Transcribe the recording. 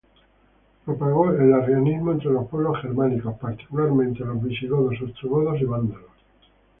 Propagó el arrianismo entre los pueblos germánicos, particularmente los visigodos, ostrogodos y vándalos.